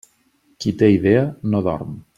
Qui té idea, no dorm.